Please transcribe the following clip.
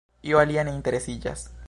Io alia ne interesiĝas.